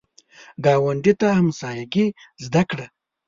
ګاونډي ته همسایګي زده کړه